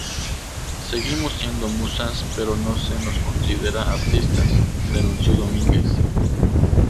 Seguimos siendo musas, pero no se nos considera artistas" denunció Domínguez.